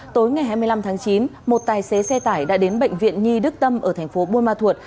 tối ngày hai mươi năm tháng chín một tài xế xe tải đã đến bệnh viện nhi đức tâm ở thành phố buôn ma thuột